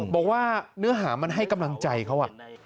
บอกว่าเนื้อหามันให้กำลังใจเขา